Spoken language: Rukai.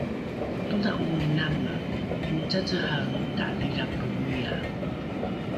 todha’ominame ’inicacehaemita dhidhape mia